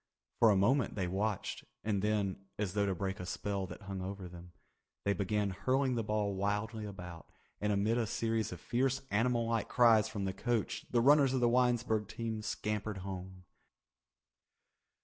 For a moment they watched and then, as though to break a spell that hung over them, they began hurling the ball wildly about, and amid a series of fierce animal like cries from the coach, the runners of the Winesburg team scampered home.